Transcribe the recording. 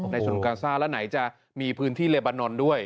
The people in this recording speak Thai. ฉนวนกาซ่าแล้วไหนจะมีพื้นที่เลบานอนด้วย